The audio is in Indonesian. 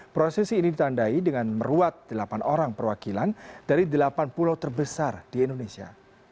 prosesi ini ditandai dengan meruat delapan orang perwakilan dari delapan pulau terbesar di indonesia